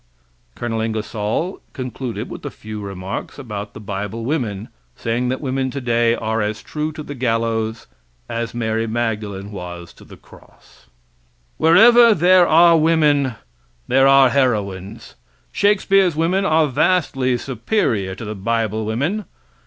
[Col. Ingersoll concluded with a few remarks about the bible women, saying that women today are as true to the gallows as Mary Magdalene was to the cross.] Wherever there are women there are heroines. Shakespeare's women are vastly superior to the bible women.